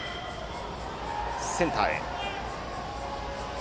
センターへ。